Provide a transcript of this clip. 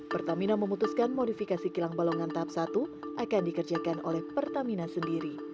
pertamina memutuskan modifikasi kilang balongan tahap satu akan dikerjakan oleh pertamina sendiri